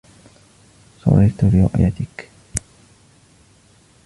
سررتُ لرؤيتكَ.